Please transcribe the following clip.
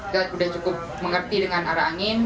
kita sudah cukup mengerti dengan arah angin